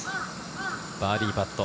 バーディーパット。